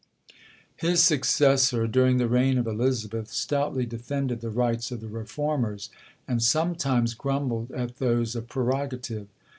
'His successor, during the reign of Elizabeth, stoutly defended the rights of the Reformers, and sometimes grumbled at those of prerogative.